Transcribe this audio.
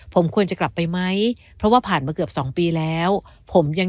ผมควรจะกลับไปไหมเพราะว่าผ่านมาเกือบสองปีแล้วผมยัง